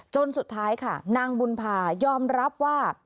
สุดท้ายค่ะนางบุญภายอมรับว่า